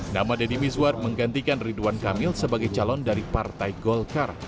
nama deddy mizwar menggantikan ridwan kamil sebagai calon dari partai golkar